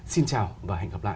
xin chào và hẹn gặp lại